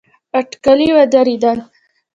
اټکلي ودرېدل.